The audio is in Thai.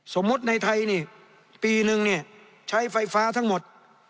สมมุติในไทยนี่ปีนึงเนี่ยใช้ไฟฟ้าทั้งหมด